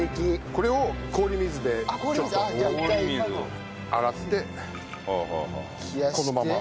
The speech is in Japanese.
これを氷水でちょっと洗ってこのまま。